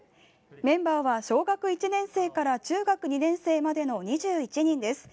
メンバーは小学１年生から中学２年生までの２１人です。